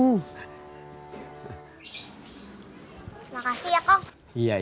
terima kasih ya kong